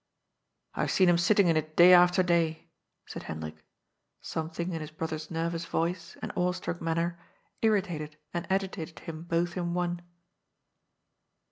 ^^ IVe seen him sitting in it day after day,'' said Hen drik. Something in his brother's nervous voice and awe struck manner irritated and agitated him both in one.